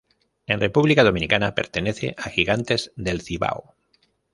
En República Dominicana Pertenece a Gigantes del Cibao